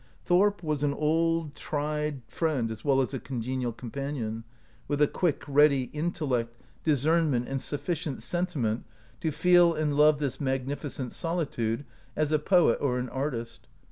Thorp was an old, tried n 209 OUT OF BOHEMIA friend as well as a congenial companion, with a quick, ready intellect, discernment, and sufficient sentiment to feel and love this magnificent solitude as a poet or an artist.